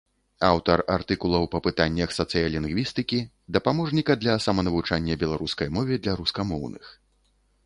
Аўтар артыкулаў па пытаннях сацыялінгвістыкі, дапаможніка для саманавучання беларускай мове для рускамоўных.